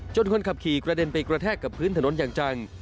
คนขับขี่กระเด็นไปกระแทกกับพื้นถนนอย่างจัง